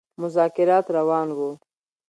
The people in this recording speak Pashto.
مذاکرات روان وه.